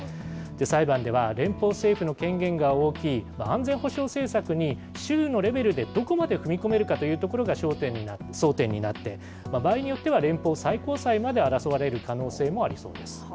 裁判では、連邦政府の権限が大きい安全保障政策に、州のレベルでどこまで踏み込めるかというところが争点になって、場合によっては、連邦最高裁まで争われる可能性もありそうです。